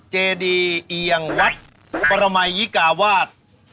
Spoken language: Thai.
เจดีเอียงวัดปรมัยยิกาวาส